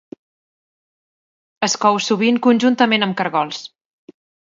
Es cou sovint conjuntament amb cargols